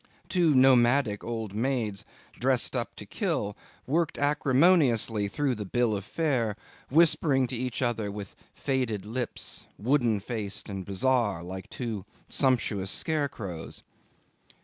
Two nomadic old maids, dressed up to kill, worked acrimoniously through the bill of fare, whispering to each other with faded lips, wooden faced and bizarre, like two sumptuous scarecrows.